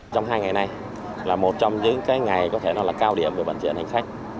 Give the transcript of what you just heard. trong hai ngày này là một trong những cái ngày có thể nói là cao điểm của bản diện hành khách